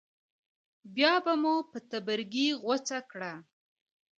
بیا به مو په تبرګي غوڅه کړه.